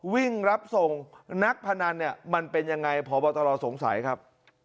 วิ่งรับส่งนักพนันมันเป็นอย่างไรพอบัตราสงสัยครับ